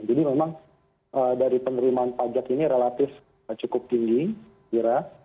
jadi memang dari penerimaan pajak ini relatif cukup tinggi kira